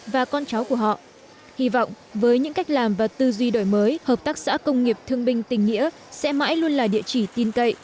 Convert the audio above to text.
và con cháu của họ hy vọng với những cách làm và tư duy đổi mới hợp tác xã công nghiệp thương binh tình nghĩa sẽ mãi luôn là địa chỉ tin cậy